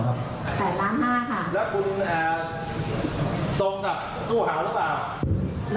รับเงินตรงรับเงินตรงแล้วก็คุยงานตรงกับตู้ห่าวใช่ค่ะรับงานตรงคุณอ่า